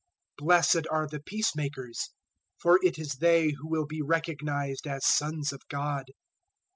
005:009 "Blessed are the peacemakers, for it is they who will be recognized as sons of God.